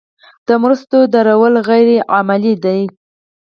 د مرستو درول غیر عملي دي.